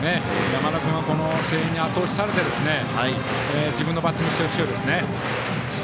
山田君はこの声援にあと押しされて自分のバッティングしてほしいですね。